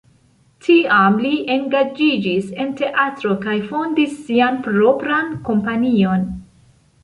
Tiam li engaĝiĝis en teatro kaj fondis sian propran kompanion.